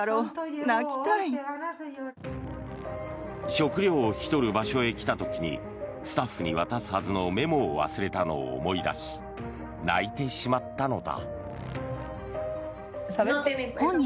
食料を引き取る場所へ来た時にスタッフに渡すはずのメモを忘れたのを思い出し泣いてしまったのだ。